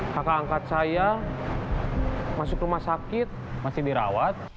kakak angkat saya masuk rumah sakit masih dirawat